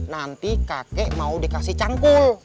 nanti kakek mau dikasih cangkul